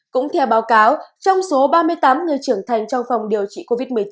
cũng theo báo cáo trong số ba mươi tám người trưởng thành trong phòng điều trị covid một mươi chín